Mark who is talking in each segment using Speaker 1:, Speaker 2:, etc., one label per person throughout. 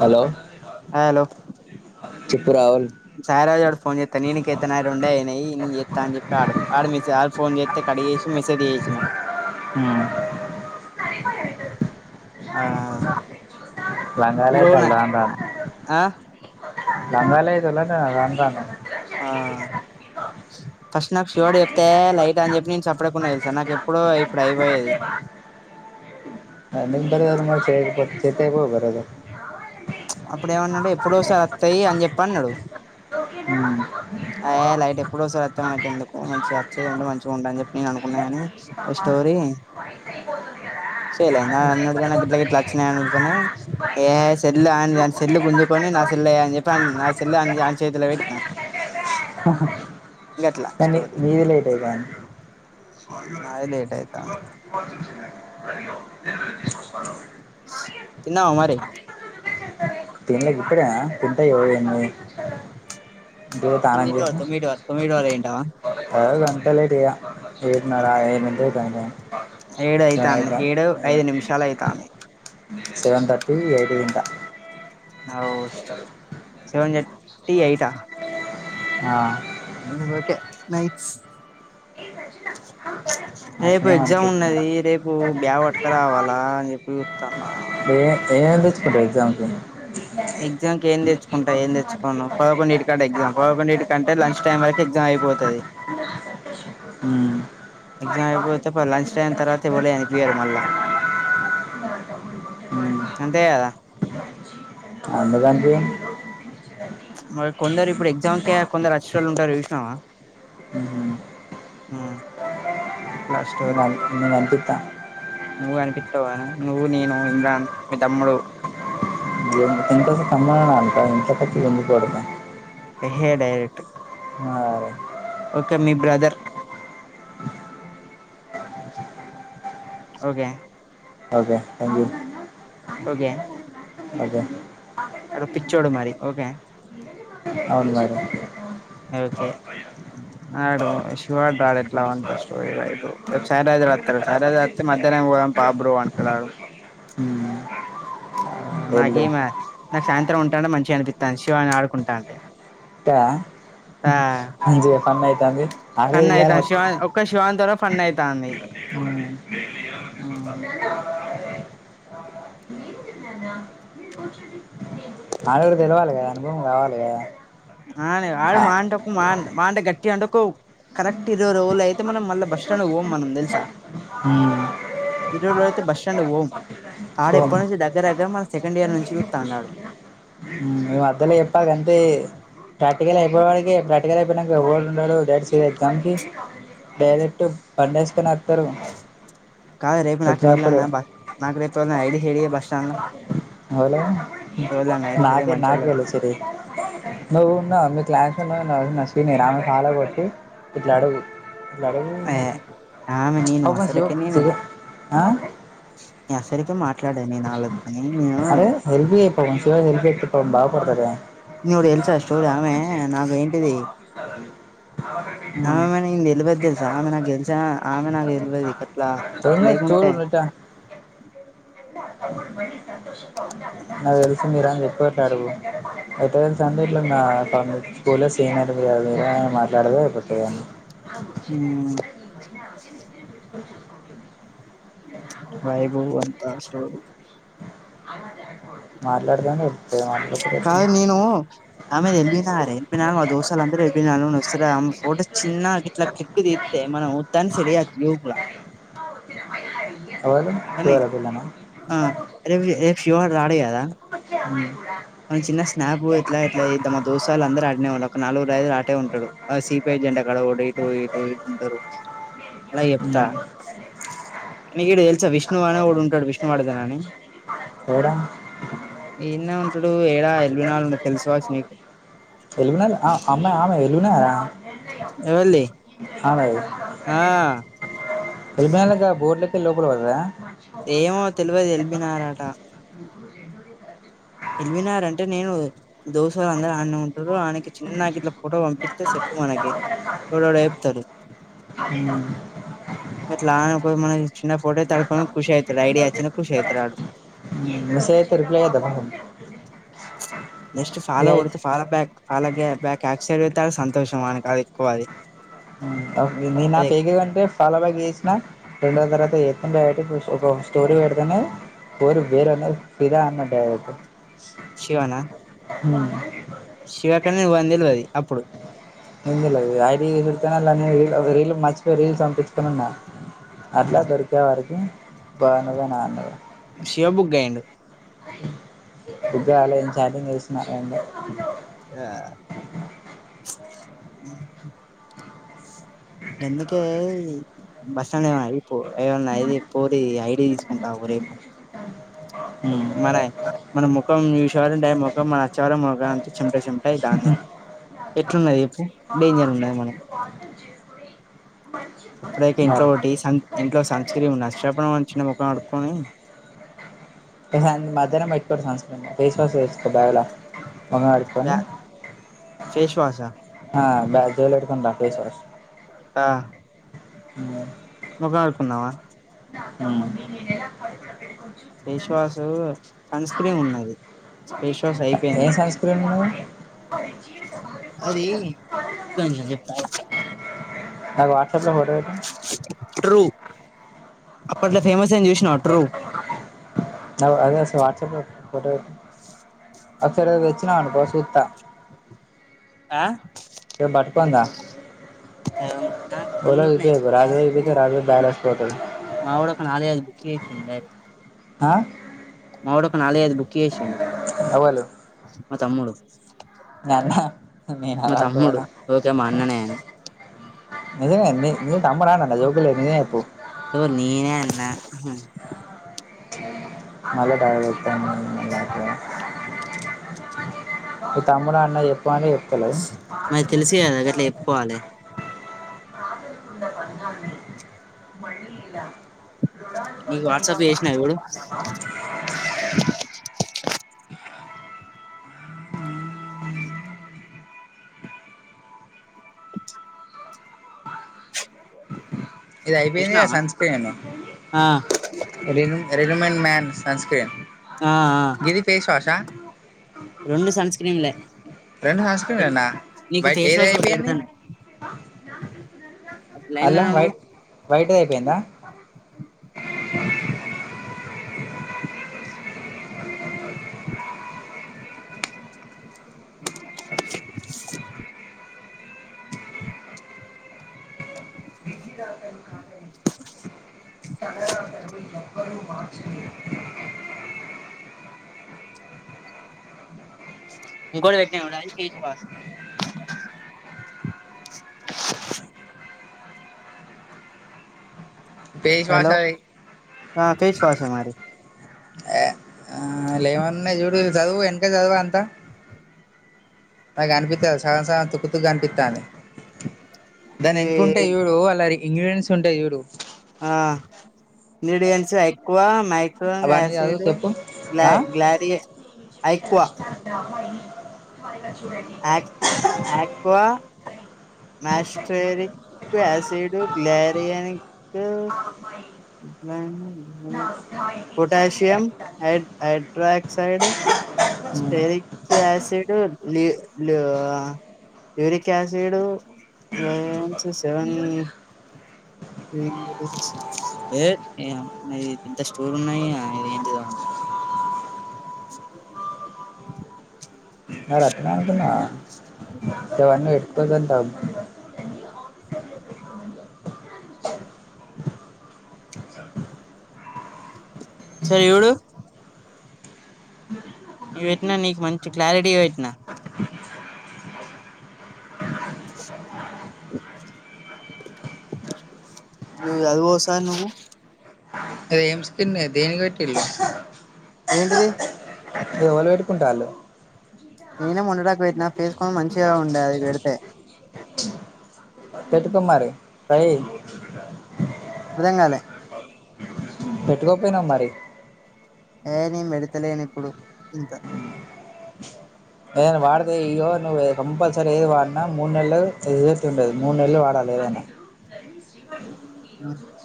Speaker 1: Hello
Speaker 2: hello
Speaker 1: చెప్పు రావుల్
Speaker 2: సాయిరాజు గాడు phone చేత్తే నేను ఇక ఎత్తను నాయి రెండే అయినాయి నేను చేత్తా అని చెప్పి ఆడు మీ సార్ ఫోన్ చేస్త తే కడు చేసి మెసేజ్ జేసినా
Speaker 1: ఉమ్
Speaker 2: ఆ
Speaker 1: లంగాలు
Speaker 2: బ్రో నా
Speaker 1: ఐతాల్ రాను రాను
Speaker 2: ఆ
Speaker 1: లంగాలు ఐదుల్ల రాను రాను
Speaker 2: ఆ ఫస్ట్ నాకు శివడు చెప్తే లైట్ అని చెప్పి నేను చప్పడకుండా తెలుసా నాకు ఎప్పుడో ఇప్పుడు అయిపోయేది
Speaker 1: [unintelligible]
Speaker 2: అప్పుడేమన్నాడు ఎప్పుడో ఓసారి వత్తాయి అని చెప్పి అన్నడు
Speaker 1: ఉమ్
Speaker 2: అయ్ లైట్ ఎప్పుడు వస్తది అత్తే మనకి ఎందుకు మంచిగా అచ్చేది ఉంటే మంచిగా ఉంటంది అని చెప్పి నేను అనుకున్నా కానీ
Speaker 1: అమా
Speaker 2: చేయలే నా అన్నడు గానీ నాకు గిట్లా గిట్ల అచ్చినయి అనడుతున్నా ఏ సెల్లు ఆయనది ఆని సెల్లు గుంజుకొని నా సెల్లే అని చెప్పి అ నా సెల్లు అ ఆయన చేతిలో పెట్టినా గట్లా
Speaker 1: కానీ
Speaker 2: స్టోరీ
Speaker 1: మీది లేట్ అయితాంది
Speaker 2: మాది
Speaker 1: స్వామివారికి
Speaker 2: లేట్
Speaker 1: ముందుగా
Speaker 2: అయితాంది
Speaker 1: అ తీసుకస్తా
Speaker 2: తిన్నావా మరి
Speaker 1: తిన్లేకి ఇప్పుడేనా తింటే [unintelligible]
Speaker 2: [unintelligible] మీడువారే ఇంటా
Speaker 1: రోజూ అంతే లేట్ ఇగ ఏడున్నర ఎనిమిది అవుతా
Speaker 2: ఏడు
Speaker 1: [inaudible]
Speaker 2: అయితాంది
Speaker 1: సాయద
Speaker 2: ఏడు
Speaker 1: మ
Speaker 2: ఐదు నిమిషాలు అయితాంది
Speaker 1: సెవెన్ థర్టీ ఎయిట్ గిన్క
Speaker 2: అవు వస్తది సవెన్ థర్టీ ఎయిట్ ఆ
Speaker 1: ఆ
Speaker 2: దీన్ తోటే నైట్స్ రేపు
Speaker 1: అట్లనే
Speaker 2: ఎగ్జామ్
Speaker 1: మంచిది
Speaker 2: ఉన్నది రేపు బ్యాగ్ పట్క రావాలా అని చెప్పి చూత్తన్న
Speaker 1: ఏ ఏం తెచ్చుకుంటవ్ ఎగ్జామ్ కి
Speaker 2: ఎగ్జాంకి ఏమ్ తెచ్చుకుంటా ఏం తెచ్చుకొను పదకొండటి కంట పదకొంటి కంట అంట లంచ్ టైం వరక్ ఎగ్జామ్ అయిపోతది
Speaker 1: నా ఉ
Speaker 2: ఎగ్జామ్ అయిపోతే ప లంచ్ టైమ్ తర్వాత పోలే అనిపోయారు మళ్ళ అంతే కదా
Speaker 1: అందుకంటే
Speaker 2: మరి కొందరు ఇప్పుడు ఎగ్జామ్కే కొందరు అచ్చే టోళ్ళు ఉంటరు చూసినవా
Speaker 1: నేను
Speaker 2: హు ట్లాస్ట్
Speaker 1: నేం నేంవంపిత్త
Speaker 2: నువ్వు కనిపిత్తవ్ గానీ నువ్వు నేను ఇమ్రాన్ మీ తమ్ముడు
Speaker 1: జంకా సంమ్బ అంత ఇంత పెద్దద్ ఎందుక్ కడుతం
Speaker 2: ఎహే డైరెక్ట్
Speaker 1: ఆ
Speaker 2: ఓకే మీ brother okay
Speaker 1: okay thank you
Speaker 2: okay
Speaker 1: okay
Speaker 2: ఆడో పిచ్చోడు మరి ఓకే
Speaker 1: ఏందీ మమ్మీ అవును మరి
Speaker 2: ఓకే ఆడు శివ గాడు రాడు ఇట్లా అంత స్టోరీ వైబ్ రేపు సాయి రాజ్ రాస్తాడు సాయి రాజా తే మధ్యాహ్నం పోదంపా బ్రో అంటడు ఆడు
Speaker 1: హ్మ్
Speaker 2: ఆ నాకేమీ నాకు సాయంత్రం ఉంటాంటే మంచిగా అనిపిత్తాంది శివ అని ఆడుకుంటా ఉంటే
Speaker 1: త్తదా ఫన్ ఐతాంది అరేయ్
Speaker 2: ఫన్
Speaker 1: ఇయ్యాల
Speaker 2: అయితాంది శివ ఒక్క శివా గాంతోనే ఫన్ అయితాంది ఆ
Speaker 1: మాగ్గడ తెలవాలి కదా అనుభవం కావాలి కదా
Speaker 2: ఆ లేదు ఆడు
Speaker 1: ఆ.
Speaker 2: మహా అంటే మహా అంట మహా అంటే గట్టిగా అంటే ఒక కరెక్ట్ ఇరవై రోలు అయితే మనం మళ్ళ బస్టాండ్ కి పోము మనం తెలుసా
Speaker 1: హ్మ్
Speaker 2: ఇరవ్ రోలైతే బస్టాండ్ పోమ్ ఆడ
Speaker 1: పోం.
Speaker 2: ఎప్పటి నుంచి దగ్గరదగ్గర మన సెకండ్ ఇయర్ నుంచి చూత్తాండాడు
Speaker 1: ఈ మద్దలో చెప్పాలంతే ప్రాక్టికల్ అయిపోయే వరకే ఫ్రాక్ క్టికల్ అయిపోయినంక ఎవడు ఉండడు దడ్సే దంకి డైరెక్ట్ సివిల్ ఎగ్జామ్ కి డైరెక్ట్ పండేసుకున్నక్
Speaker 2: కాదు రేపు నాకు
Speaker 1: అప్పుడు
Speaker 2: ఎవల్దన్న బస్ నాకు రేపు ఐడి హైడి షేర్ జేయ్ బస్టాండ్ ల
Speaker 1: ఆవులే
Speaker 2: ఐడి షేర్ చేయి
Speaker 1: నాకే నాగే
Speaker 2: మంచోళ్ళది
Speaker 1: వెళ్లే సరి నువ్వున్నావు మీ క్లాస్ ఉన్నావు నవ్య నా సీనియర్ ఆమె ఫాలో కొట్టి ఇట్లా అడుగు లెగవు
Speaker 2: ఏ ఆమె నేను
Speaker 1: ఔ మంచియో
Speaker 2: అసలుకే నేను
Speaker 1: ఆ
Speaker 2: నేను అసలుకే మాట్లాడను వాళ్లతోనే నేను
Speaker 1: అరే హెల్ప్ జేయ్ పవన్ శివ హెల్ప్ జేత్తే పాపం బాగుపడతడు గదా
Speaker 2: నీకోటి తెలుసా స్టోరీ ఆమె నాకుఏంటిది
Speaker 1: ఫ స్ాల అగ
Speaker 2: ఆమమె నేను తెలవదు తెలుసా ఆమె నాకు తెలుసా ఆమె నాకు తెలవదు అట్లా
Speaker 1: ఏం లేదు చూడు
Speaker 2: లేకుంటే
Speaker 1: నువ్వు ఇట్టా నాకు తెలిసి మీర అని చెప్పిట్టారు అయితే సండే ఇట్లా నా స్కూల్ సీనియర్ గ మాట్లాడదు ఎక్కువ
Speaker 2: మ్ వైభూ అంత సో
Speaker 1: మాట్లాడదామని పిలితది మాట్లాడలేదు
Speaker 2: ఆ ఆమెది ఎల్బీనగర్ ఎల్బీనగర్లో మా దోస్తులందరూ నుండి ఎల్బీనగర్ వస్తారు ఆమె ఫోటో చిన్న గిట్ల క్లిక్ ది మ మనం ఉత్తగనే సెట్ చేయొచ్చు యూత్ ల
Speaker 1: ఎవలు
Speaker 2: కానీ
Speaker 1: ఎవరు ఆ పిల్లనా
Speaker 2: ఆ రేపు రేపు శివగాడు రాడు కదా
Speaker 1: అ
Speaker 2: మనం చిన్న స్నాప్ ఎట్లా ఎట్లా తీద్దామా దోస్త్ గాల్లు అందరు ఆడనే ఉంటరు ఒక నాలుగురు ఐదులు ఆటే ఉంటడు ఆ సిపిఐ జెండా కాడ అక్కడ ఒకడు ఇటు ఇటు ఇటు ఉంటారు అలా చెప్తా నీకు ఈడ తెలుసా విష్ణు అనేఒకడు ఉంటడు విష్ణు వర్ధన్ అని
Speaker 1: ఎవరా
Speaker 2: ఈడనే ఉంటడు ఏడా ఎల్బీనగర్ లో తెలుసుకావాచ్చు మీకు
Speaker 1: ఎల్ బి నగరా అమ్మాయి ఆమె ఎల్ బి నగరా
Speaker 2: ఎవలిది
Speaker 1: అ భై
Speaker 2: ఆ
Speaker 1: ఎల్ బి నగర్ కాడ బోర్డులోకెళ్ళి లోపలు పోతదా
Speaker 2: ఏమో తెలివది ఎల్బీనగర్ అట
Speaker 1: ర
Speaker 2: ఎల్ బి నగర్ అంటే నేను దోస్తు గాళ్ళు అందరూ ఆడనే ఉంటారు ఆయనకి చిన్న ఇట్ల ఫోటో పంపిస్తే సెట్టు మనకి ఎవడెవడో జెప్తడు
Speaker 1: [unintelligible]
Speaker 2: అట్లా, మన చిన్న ఫోటో ఐతడుకొని ఖుష్ ఐతడు ఐడియిచ్చిన ఖుష్ అయితడాడు.
Speaker 1: మెసేజ్ చేస్తే రిప్లై ఇవ్వొద్దా నువ్వు
Speaker 2: నెస్ట్ ఫాలో కొడుత. ఫాలోబ్యాక్ అలాగే బ్యాక్ యాక్సైడ్ అతే సంతోషం మనకదెక్కువది.
Speaker 1: అవి నేనా ఫేక్ ఎకౌంటె ఫాలోబ్యాక్ చేస్న రెండు రోజుల తర్వాత చేస్తాంలే అని చెప్పి ఒక స్టోరీ పెడుతన పోరి వేరు అన్న ఫీదా అన్నట్టే అదైతే
Speaker 2: శివనా?
Speaker 1: ఉ
Speaker 2: శివకని వందేల్వది అప్పుడు.
Speaker 1: తెల్వది. ఐడిగుడ్క వాలన్నద్ మర్చిపోయ్ రీల్స్ పంపిచ్చి మున్నా,
Speaker 2: ఆ
Speaker 1: అట్ల దొరికేవారకి బాగున్నదన అన్నది
Speaker 2: శివబుగ్గయిండు
Speaker 1: బ్బేయాలో ఏం చార్జింగ్ చేస్న రండి [unintelligible]
Speaker 2: ఆ గందుకే బస్ స్టాండ్ ఏమన అయిపో ఏమన్నై పోరి ఐడి తీసుకుంటా రేపు మనై మన ముఖం చూసేవళంటే ముఖం మన వచ్చేవరమ్ ముఖం అంత చెంట చెంట ఐతంది ఎట్లున్నది చెప్పు డేంజర్ ఉన్నది మనం ఇప్పుడైతే ఇంట్లో ఒటి సం ఇంట్లో సన్స్క్రీన్ ఉన్నది. [unintelligible] ముఖం కడుకొని
Speaker 1: ఎహ మధ్యాహ్నం పెట్టుకొరు సన్స్క్రీన్. ఫేస్వాష్ ఎస్కో బ్యాగ్ల మొహం కడుకొని
Speaker 2: ఫేస్ వాషా
Speaker 1: ఆ బ్యా జేబులో పెట్కొనిర ఫేస్వాష్.
Speaker 2: ఆ
Speaker 1: ఉ
Speaker 2: ముఖం కడుకుందామ
Speaker 1: ఉ
Speaker 2: ఫేస్వాషు సన్స్క్రీన్ ఉన్నది. ఫేస్వాష్ అయి
Speaker 1: ఎ సన్స్క్రీము
Speaker 2: అరే ఒక్క నిమిషం చెప్త
Speaker 1: నాకు వాట్సప్లో ఫోటోపెట్టు
Speaker 2: ట్రూ అప్పట్లో ఫేమస్ ఐంది చూస్నవ ట్రూ
Speaker 1: అదే అసలు వాటాసప్లో ఫోటో పెట్టు అది సరిగ తెచ్చినావనుకో సుత్తా
Speaker 2: ఆ
Speaker 1: ఇక పట్కొని దా
Speaker 2: దానికి రెండు ఉన్నాయి
Speaker 1: [unintelligible]
Speaker 2: మావోడు ఒక నాలుగైదు బుక్ జేసిండు డైరెక్ట్
Speaker 1: అ
Speaker 2: మావోడు ఒక నాలుగైదు బుక్ జేసిండు.
Speaker 1: ఎవలు
Speaker 2: మా తమ్ముడు
Speaker 1: మీ అన్న మీఅవ గోరం
Speaker 2: ఓజో మా అన్ననే అని
Speaker 1: నిజంమేంది నువు తమ్ముడాఅన్న న జోకులేయకు నిజం జెప్పు
Speaker 2: ఓర్ నేనే అన్నా
Speaker 1: [inaudible] నువ్వు తమ్ముడా అన్న చెప్పమంటే జెప్తలేవు
Speaker 2: మరి తెలిసి కదా అదెట్ల చెప్పుకోవాలి
Speaker 1: ప్రజలకున్న బంధాన్ని మళ్ళి ఇలా [unintelligible] దొర [unintelligible]
Speaker 2: నీకు వాట్సాప్ చేసినా చూడు [inaudible]
Speaker 1: ఇది అయిపోయింది కదా
Speaker 2: చూసినావా
Speaker 1: సన్ స్క్రీన్
Speaker 2: ఆ
Speaker 1: రిదం రిదమన్ మ్యాన్ సన్ స్క్రీన్
Speaker 2: ఆ ఆ
Speaker 1: ఇది ఫేస్ వాష్ ఆ
Speaker 2: రెండు సన్ స్క్రీన్లే
Speaker 1: రెండు సన్ స్క్రీన్లేనా
Speaker 2: నీకు
Speaker 1: వైట్
Speaker 2: ఫేస్
Speaker 1: ఏది
Speaker 2: వాష్ ఒకటి
Speaker 1: అయిపోయింది
Speaker 2: పెడతాన లైన్
Speaker 1: అలా
Speaker 2: లోనే ఉండు
Speaker 1: వైట్ వైట్ది అయిపోయిందా
Speaker 2: [inaudible]
Speaker 1: విజదాసన్ కావన్ తలరాతను ఎక్కరూ మార్చలే
Speaker 2: ఇంకోటి పెట్టినా చూడు అది face wash
Speaker 1: face wash
Speaker 2: hello
Speaker 1: అది
Speaker 2: ఆ ఫేస్ వాష్ ఏ మరి
Speaker 1: లే ఏమున్నాయో చూడు చదువు వెనక చదువు అంతా నాకు అనిపిస్తది సగం సగం తుక్కుతుక్కు అనిపిస్తాంది దాని
Speaker 2: ఈ
Speaker 1: వెనుకుంటే చూడు అల్లరి ఇంగ్రీడియంట్స్ ఉంటాయి చూడు
Speaker 2: ఆ ఇంగ్రీడియెంట్స్ ఎక్కువ మైక్ చూడండి
Speaker 1: అవన్నీ చదువు
Speaker 2: యాసిడ్ గా
Speaker 1: చెప్పు
Speaker 2: గ్లా
Speaker 1: ఆ
Speaker 2: గ్లారి ఐక్వా
Speaker 1: రామా ఈ వైలెన్స్
Speaker 2: ఆక్ ఆక్వా మాస్ట్రేరిక్ ఆసిడ్ గ్లారియానిక్ గ్రా పొటాషియం హైడ్ హైడ్రాక్సైడ్ స్టెరిక్ ఆసిడు లీవ్ లీ యరిక్ ఆసిడు వన్స్ సెవెన్ ఏ ఎంత స్టోర్ ఉన్నాయా ఇది ఏంటిది ఆ
Speaker 1: మరి అట్నే అనుకున్న
Speaker 2: [inaudible]
Speaker 1: గవన్ని ఎట్ల దింటం
Speaker 2: ఓసారి చూడు
Speaker 1: మనుషులకు
Speaker 2: ఇది పెట్టినా నీకు మంచి క్లారిటీగా పెట్టినా నువ్వు చదువు ఒకసారి నువ్వు
Speaker 1: అదేం స్కిన్నే దేనికి పెట్టిర్రు
Speaker 2: ఏంటిది
Speaker 1: ఇది ఎవళ్ళు పెట్టుకుంటాళ్లు
Speaker 2: నేనే మొన్నటిదాక పెట్టినా పేసుకొని మంచిగా ఉండే అది పెడితే
Speaker 1: పెట్టుకు మరి ట్రై చెయ్
Speaker 2: అర్థంగలే
Speaker 1: పెట్టుకోపోయినవ్ మరి
Speaker 2: ఏ నే వెడతలేని ఇప్పుడు ఇంతా
Speaker 1: ఏదైనా వాడితే ఇగో నువ్వు ఏ కంపల్సరీ ఏది వాడినా మూడు నెలలు రిజల్ట్ ఉండదు మూడు నెలలు వాడాలి ఏదైనా దరి మీ శ్రీవార్
Speaker 2: [inaudible]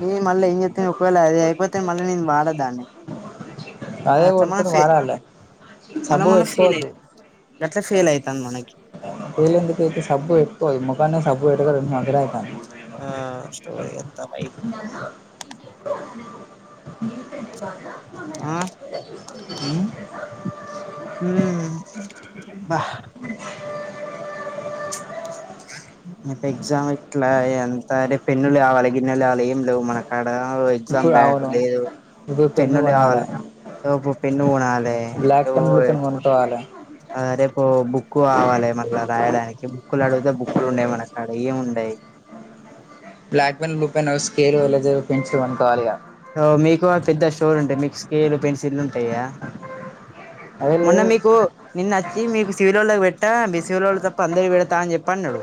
Speaker 2: నేను మళ్ళీ ఏం చెత ను ఒకవేళ అది అయిపోతే మళ్ళీ నేను వాడదాన్ని ఆ
Speaker 1: అదే కొట్టుకొని
Speaker 2: సమస్యే
Speaker 1: వాడాలి
Speaker 2: మొన్న
Speaker 1: సబ్బు
Speaker 2: మొన్న ఫెయిల్ అయిన
Speaker 1: పెట్టుకోవద్దు
Speaker 2: గట్లా ఫెయిల్ అయితాంది మనకి
Speaker 1: పెలేెందుకైతే సబ్బు పెట్టుకోదు నే ముఖానే సబ్బు పెట్టక రెండు సంవత్సరాలు అవుతుంది
Speaker 2: ఆ స్టోరి ఎంతా వైప్
Speaker 1: నన్న మీ కంటే బాధ ఊ
Speaker 2: ఉహు బ రేపు ఎగ్జామ్ ఇట్లా ఎంత రేపు పెన్నులు కావాలి గిన్నెలు కావాలి ఏం ఉండవ్ మనకు అడ ఎగ్జామ్
Speaker 1: ఇప్పుడు అవును ఇప్పుడు
Speaker 2: [unintelligible]
Speaker 1: పెన్ను
Speaker 2: పెన్నులు
Speaker 1: కొనాలి
Speaker 2: కావాలి అప్పుడు పెన్ను కొనాలి
Speaker 1: వాలే
Speaker 2: ఆ రేపు బుక్కు కావాలి మళ్ళా రాయడానికి బుక్కులు అడిగితే బుక్కులు ఉన్నాయేమో [inaudible] అవే ఉంటాయ్
Speaker 1: black pen, blue pen, scale, eraser, pencil అని కావాలిగా
Speaker 2: సో మీకు పెద్ద స్టోర్ ఉంటాయి మీకు స్కేలు పెన్సిల్ ఉంటాయా
Speaker 1: అదే
Speaker 2: మొన్న
Speaker 1: లేదు
Speaker 2: మీకు నిన్నొచ్చి మీకు సివిలోళ్ళకి పెట్టా మీ సివిలోళ్ళకు తప్ప అందరికి పెడతా అని చెప్పి అన్నాడు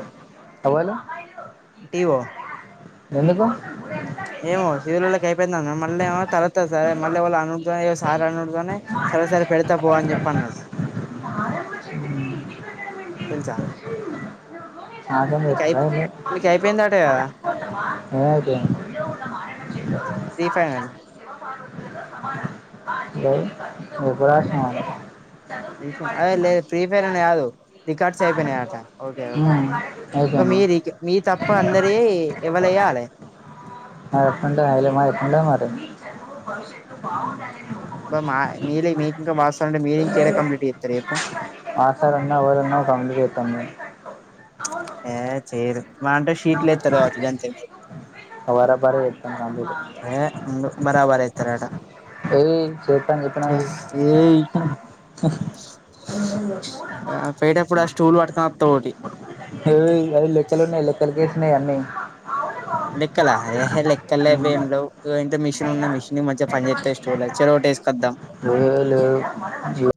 Speaker 1: అవ్వాలి
Speaker 2: దీవో
Speaker 1: ఎందుకు
Speaker 2: ఏమో చిరులళ్ళకి అయిపోయిందన్నాడు మళ్ళేమో తరువాత సారే మళ్ళీ వాళ్ళు [unintelligible] సరే సరే పెడతా పో అని చెప్పి అన్నాడు తెలుసా మీకు అయిపో మీకు అయిపోయిందట కదా
Speaker 1: [inaudible] [inaudible]
Speaker 2: ప్రీఫైనల్
Speaker 1: [inaudible] హలో [inaudible]
Speaker 2: ప్రీ ఫైనల అయ్ లేదు ప్రీ ఫైనల్ కాదు రికార్డ్స్ అయిపోయినాయి అట ఓకే ఓకే ఇక మీరు మీది తప్ప
Speaker 1: మరి
Speaker 2: అందరివి ఎవ్వనివిగాలేదు
Speaker 1: ఆ ఉంటా మరి ఇగ [inaudible] మరి [inaudible] భవిష్యత్తు
Speaker 2: ఇప్పుడు మాదే మీ [unintelligible] కంప్లీట్ చేత్తారు చెప్పు
Speaker 1: మాసారున్నా ఎవరున్న పంపియేటోడిని
Speaker 2: ఆ చేయరు మా అంటే షీట్లు ఇత్తారు కావచ్చు కాని [inaudible]
Speaker 1: [inaudible]
Speaker 2: ఏ బరాబర్ అయితారట
Speaker 1: ఏయ్ [inaudible] చెప్పిన
Speaker 2: ఆ పోయేటప్పుడు ఆ స్టూల్ పట్టుకొత్తా ఒకటి
Speaker 1: అది లెక్కలు ఉన్నాయి లెక్కలు కేసున్నాయి అన్నీ
Speaker 2: లెక్కలా ఎహే లెక్కలే భేమి లేవు ఇంత మిషన్ ఉంది మిషన్ మంచిగా పనిచేయట్లేదు స్టూల్ చెరోటి యేసుకొద్దాం
Speaker 1: అదేం లేదు